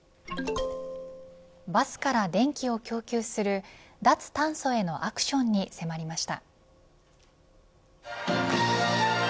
バスから電気を供給する脱炭素へのアクションに迫りました。